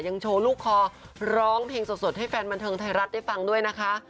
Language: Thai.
โชว์ลูกคอร้องเพลงสดให้แฟนบันเทิงไทยรัฐได้ฟังด้วยนะคะ